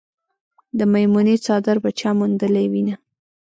د میمونې څادر به چا موندلې وينه